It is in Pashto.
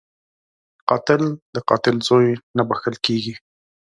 قاتل د قاتل زوی نه بخښل کېږي